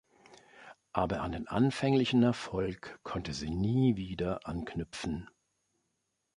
Aber an den anfänglichen Erfolg konnte sie nie wieder anknüpfen.